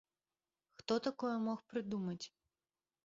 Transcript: Хто такое мог прыдумаць?